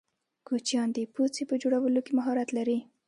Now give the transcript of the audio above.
کوچیان د پوڅې په جوړولو کی مهارت لرې.